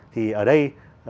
thì ở đây